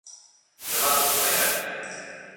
Remato cunha idea final.